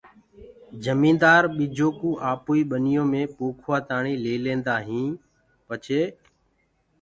جميندآر ٻجو ڪو آپوئي ٻنيو مي پوکوآ تآڻي ليليندآ هين پڇي